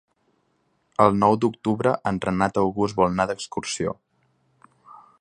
El nou d'octubre en Renat August vol anar d'excursió.